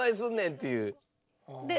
っていう。